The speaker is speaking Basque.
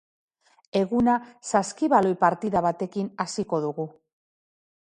Eguna saskibaloi partida batekin hasiko dugu.